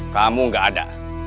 kamu gak ada